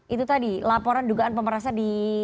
itu tadi laporan dugaan pemerasan di